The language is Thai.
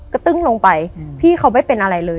ตึ้งลงไปพี่เขาไม่เป็นอะไรเลย